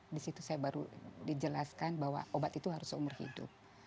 di situ saya baru dijelaskan bahwa obat itu harus seumur hidup